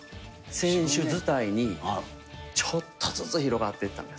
選手伝いにちょっとずつ広がっていったんです。